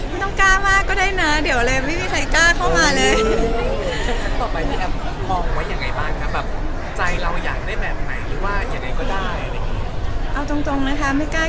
ไม่ต้องกล้ามากก็ได้นะเดี๋ยวเลยไม่มีใครกล้าเข้ามาเลย